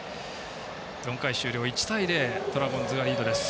４回終了、１対０ドラゴンズがリードです。